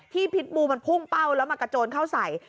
พิษบูมันพุ่งเป้าแล้วมากระโจนเข้าใส่